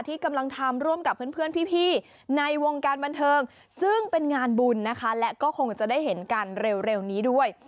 ที่กำลังทำร่วมกับเพื่อนพี่ในวงการบันเทิงซึ่งเป็นงานบุญนะคะและก็คงจะได้เห็นกันเร็วนี้ด้วย